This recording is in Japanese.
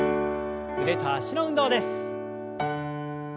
腕と脚の運動です。